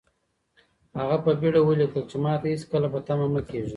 هغه په بېړه ولیکل چې ماته هېڅکله په تمه مه کېږئ.